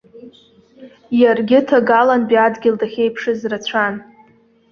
Иаргьы ҭагалантәи адгьыл дахьеиԥшыз рацәан.